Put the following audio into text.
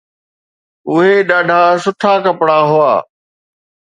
اهي ڏاڍا سٺا ڪپڙا هئا.